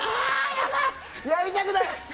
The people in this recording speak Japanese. やりたくない。